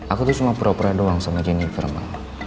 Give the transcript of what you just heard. aku tuh cuma pura pura doang sama jennifer ma